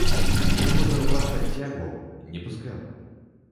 Я яго за рубашку адцягваў, не пускаў.